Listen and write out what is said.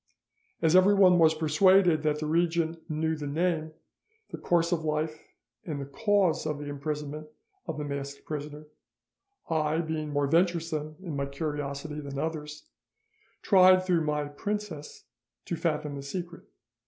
As everyone was persuaded that the regent knew the name, the course of life, and the cause of the imprisonment of the masked prisoner, I, being more venturesome in my curiosity than others, tried through my princess to fathom the secret.